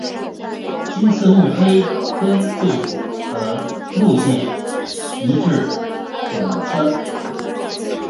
今次目黑分驻所的路线移至品川。